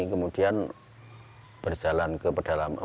kemudian berjalan ke pedalaman